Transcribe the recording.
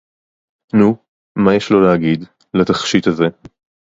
נוּ, מַה יֵּשׁ לוֹ לְהַגִּיד, לַתַּכְשִׁיט הַזֶּה?